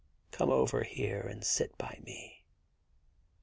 * Come over here and sit by me.'